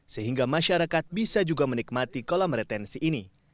sehingga masyarakat bisa juga menikmati kolam retensi ini